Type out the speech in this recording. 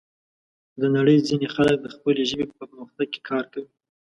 د نړۍ ځینې خلک د خپلې ژبې په پرمختګ کې کار کوي.